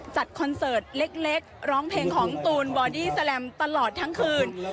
คอนเสิร์ตเล็กร้องเพลงของตูนบอดี้แลมตลอดทั้งคืน